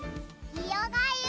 ひよがゆ！